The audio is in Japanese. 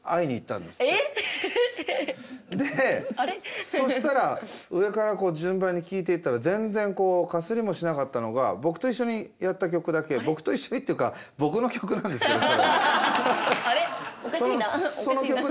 でそしたら上からこう順番に聴いていったら全然こうかすりもしなかったのが僕と一緒にやった曲だけ僕と一緒にっていうかあれおかしいな。